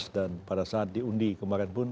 dan pada saat diundi kemarin pun